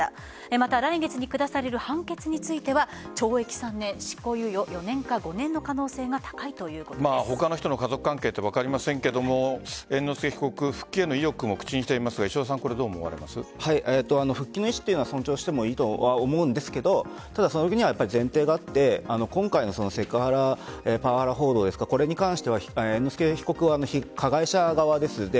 また来月に下される判決については懲役３年執行猶予４年か５年の可能性が他の人の家族関係は分かりませんが猿之助被告復帰への意欲を口にしていますが復帰の意思は尊重してもいいと思うんですがただ、前提があって今回のセクハラ、パワハラ報道ですがこれに関しては猿之助被告は加害者側です。